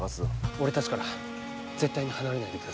俺たちから絶対に離れないでください。